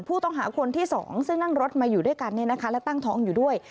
ผู้ต้องหาคนที่๒ซึ่งนั่งรถมาอยู่ด้วยกันและตั้งท้องอยู่ด้วย